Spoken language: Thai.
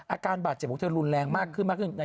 อาการบาดเจ็บของเธอรุนแรงมากขึ้นมากขึ้น